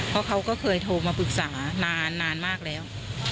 เพราะเขาก็เคยโทรมาปรึกษานานมากแล้ว